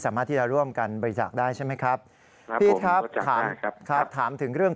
สามารถที่จะร่วมกันบริจาคได้ใช่ไหมครับพี่ครับถามครับถามถึงเรื่อง